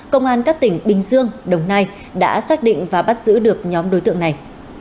công an các tỉnh bình dương đồng nai đã xác định và bắt giữ được nhóm đối tượng này